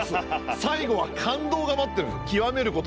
最後は感動が待ってるんです極めることの。